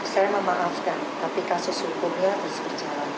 saya memaafkan tapi kasus hukumnya harus berjalan